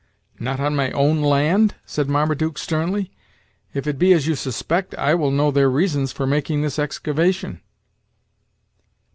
"Not on my own land?" said Marmaduke sternly. "If it be as you suspect, I will know their reasons for making this excavation."